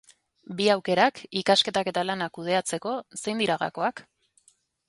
Bi aukerak, ikasketak eta lana kudeatzeko, zein dira gakoak?